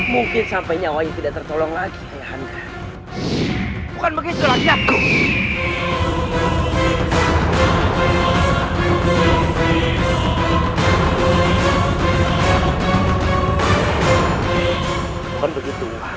mungkin sampai nyawanya tidak tertolong lagi bukan begitu